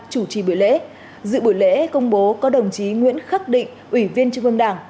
chủ trì buổi lễ dự buổi lễ công bố có đồng chí nguyễn khắc định ủy viên trung ương đảng